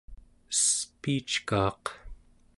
espiickaaq